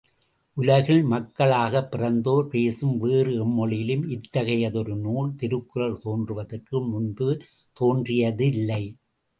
உலகில் மக்களாகப் பிறந்தோர் பேசும் வேறு எம்மொழியிலும் இத்தகையதொரு நூல், திருக்குறள் தோன்றுவதற்கு முன்பு தோன்றியதில்லை.